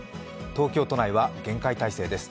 東京都内は厳戒態勢です。